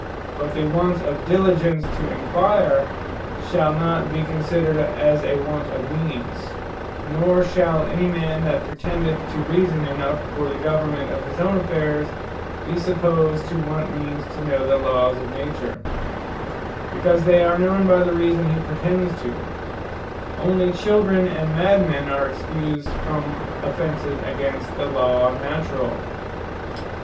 But the want of diligence to enquire, shall not be considered as a want of means; Nor shall any man, that pretendeth to reason enough for the Government of his own affairs, be supposed to want means to know the Lawes of Nature; because they are known by the reason he pretends to: only Children, and Madmen are Excused from offences against the Law Naturall.